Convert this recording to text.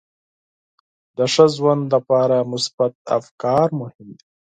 د ښه ژوند لپاره مثبت افکار مهم دي.